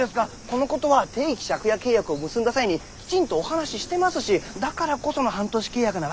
このことは定期借家契約を結んだ際にきちんとお話ししてますしだからこその半年契約なわけですから。